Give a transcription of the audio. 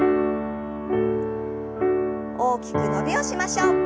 大きく伸びをしましょう。